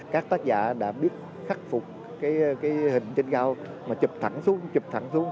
các tác giả đã biết khắc phục cái hình trên cao mà chụp thẳng xuống trục thẳng xuống